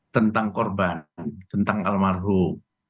tentang korban tentang almarhum